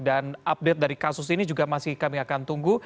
dan update dari kasus ini juga masih kami akan tunggu